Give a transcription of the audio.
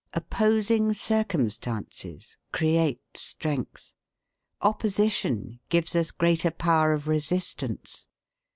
Opposing circumstances create strength. Opposition gives us greater power of resistance.